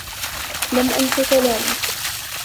لم أنس كلامك.